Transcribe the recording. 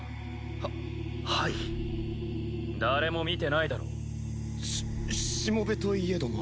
ははい誰も見てないだろうししもべといえども